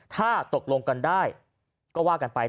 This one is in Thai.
ถ้าตกลงกันได้ก็ว่ากันไป